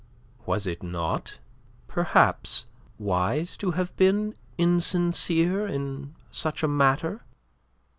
"Was it not, perhaps, wise to have been insincere in such a matter?"